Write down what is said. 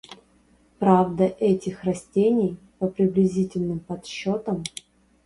Правда, этих растений, по приблизительным подсчетам